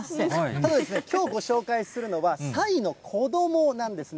ただ、きょうご紹介するのは、サイの子どもなんですね。